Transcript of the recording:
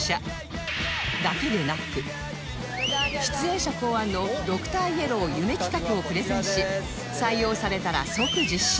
だけでなく出演者考案のドクターイエロー夢企画をプレゼンし採用されたら即実施